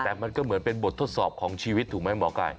แต่มันก็เหมือนเป็นบททดสอบของชีวิตถูกไหมหมอไก่